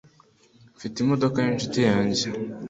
Mfite imodoka yinshuti yanjye.